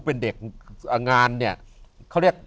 เป็นเด็กงานเนี่ยเขาเรียก